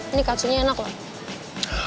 ini kacunya enak lah